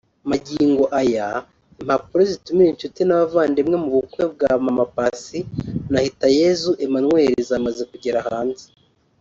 Magingo aya impapuro zitumira inshuti n’abavandimwe mu bukwe bwa Mama Paccy na Hitayezu Emmanuel zamaze kugera hanze